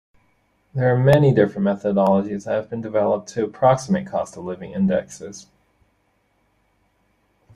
There are many different methodologies that have been developed to approximate cost-of-living indexes.